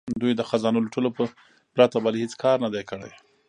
دوی د خزانو لوټلو پرته بل هیڅ کار نه دی کړی.